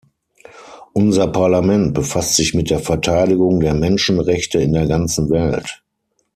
Unser Parlament befasst sich mit der Verteidigung der Menschenrechte in der ganzen Welt.